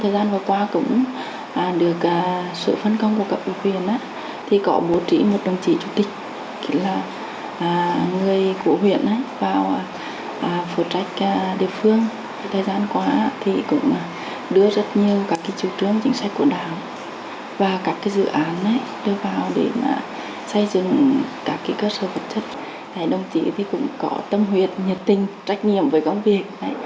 đồng chí cũng có tâm huyệt nhiệt tình trách nhiệm với công việc